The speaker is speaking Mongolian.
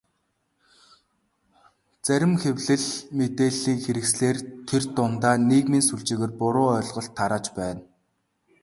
Зарим хэвлэл, мэдээллийн хэрэгслээр тэр дундаа нийгмийн сүлжээгээр буруу ойлголт тарааж байна.